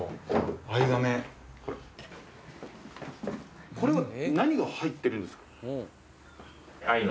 藍甕これは何が入ってるんですか？